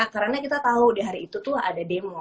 karena kita tau di hari itu tuh ada demo